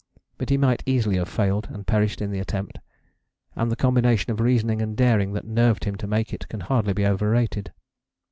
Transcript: But he might easily have failed and perished in the attempt; and the combination of reasoning and daring that nerved him to make it can hardly be overrated.